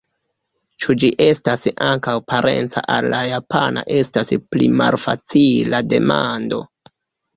Ĉu ĝi estas ankaŭ parenca al la japana estas pli malfacila demando.